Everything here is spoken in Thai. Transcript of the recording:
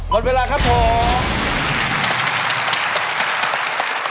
หมดเวลาครับผม